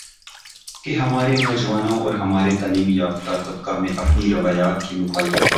کہ ہمارے نوجوانوں اور ہمارے تعلیم یافتہ طبقہ میں اپنی روایات کی مخالفت